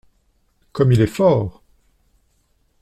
Comme il est fort !